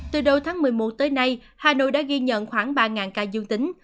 từ đầu tháng một mươi một tới nay hà nội đã ghi nhận khoảng ba ca dương tính